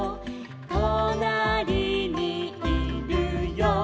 「となりにいるよ」